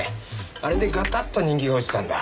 あれでガタッと人気が落ちたんだ。